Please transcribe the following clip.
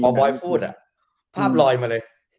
พอบอยพูดภาพลอยมาเลย